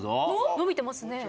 伸びてますね。